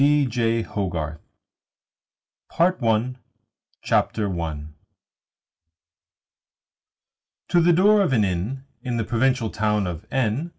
DEAD SOULS PART I CHAPTER I To the door of an inn in the provincial town of N.